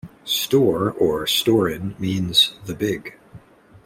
"Store" or "Storen" means "The Big".